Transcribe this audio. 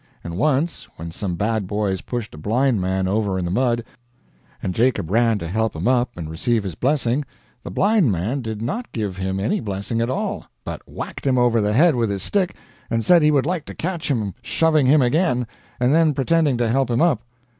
And once, when some bad boys pushed a blind man over in the mud, and Jacob ran to help him up and receive his blessing, the blind man did not give him any blessing at all, but whacked him over the head with his stick and said he would like to catch him shoving him again, and then pretending to help him up.